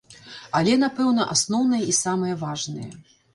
Але, напэўна, асноўныя і самыя важныя.